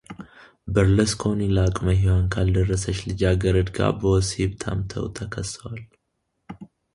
በርልስኮኒ ለአቅመ ሔዋን ካልደረሰች ልጃገረድ ጋር በወሲብ ታምተው ተከሰዋል።